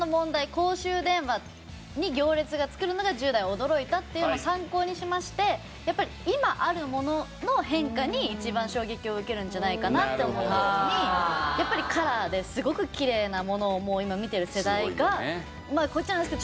公衆電話に行列作るのが１０代驚いたっていうのを参考にしましてやっぱり今あるものの変化に一番衝撃を受けるんじゃないかなって思った時にやっぱりカラーですごくきれいなものを今見てる世代がこう言っちゃなんですけど。